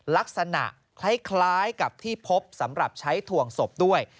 ลักษณะคล้ายกับที่พบสำหรับใช้ถ่วงศพด้วย